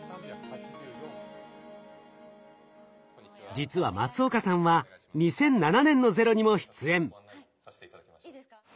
実は松岡さんは２００７年の「ＺＥＲＯ」にも出演。